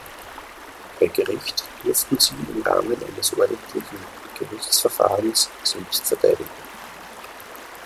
Bei Gericht durften sie im Rahmen eines ordentlichen Gerichtsverfahrens selbst verteidigen.